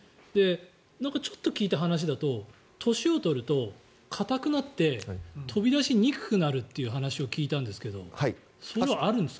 ちょっと聞いた話だと年を取ると硬くなって飛び出しにくくなるという話を聞いたんですけどそれはあるんですか？